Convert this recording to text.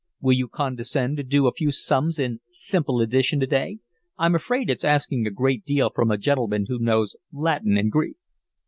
"Will you condescend to do a few sums in simple addition today? I'm afraid it's asking a great deal from a gentleman who knows Latin and Greek."